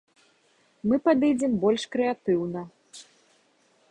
Мы падыдзем больш крэатыўна.